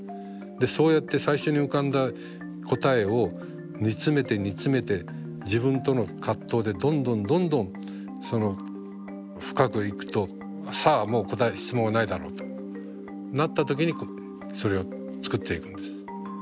そうやって最初に浮かんだ答えを煮詰めて煮詰めて自分との葛藤でどんどんどんどんその深くいくと「さあもう質問はないだろう」となった時にそれを作っていくんです。